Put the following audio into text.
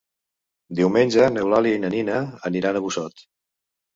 Diumenge n'Eulàlia i na Nina aniran a Busot.